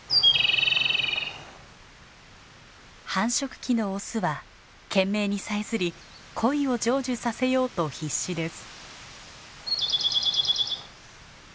繁殖期のオスは懸命にさえずり恋を成就させようと必死です。